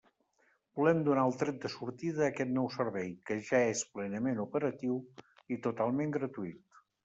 Volem donar el tret de sortida a aquest nou servei, que ja és plenament operatiu i totalment gratuït.